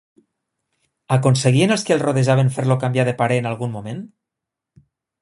Aconseguien els qui el rodejaven fer-lo canviar de parer en algun moment?